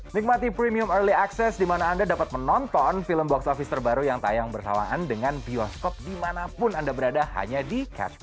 nikmati premium early access di mana anda dapat menonton film box office terbaru yang tayang bersamaan dengan bioskop dimanapun anda berada hanya di catch pla